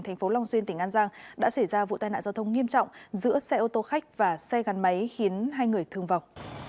thành phố long xuyên tỉnh an giang đã xảy ra vụ tai nạn giao thông nghiêm trọng giữa xe ô tô khách và xe gắn máy khiến hai người thương vọng